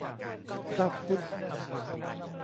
พระพุทธ